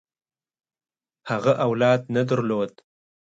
هغه اولاد نه درلود.